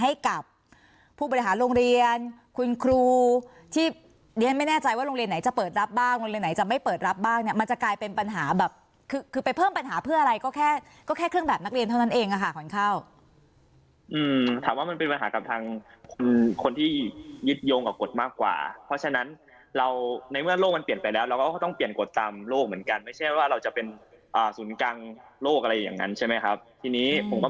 ให้กับผู้บริหารโรงเรียนคุณครูที่เรียนไม่แน่ใจว่าโรงเรียนไหนจะเปิดรับบ้างโรงเรียนไหนจะไม่เปิดรับบ้างเนี้ยมันจะกลายเป็นปัญหาแบบคือคือไปเพิ่มปัญหาเพื่ออะไรก็แค่ก็แค่เครื่องแบบนักเรียนเท่านั้นเองอะค่ะขวัญข้าวอืมถามว่ามันเป็นปัญหากลับทางคนที่ยึดโยงกับกฎมากกว่าเพราะฉะนั้นเราใ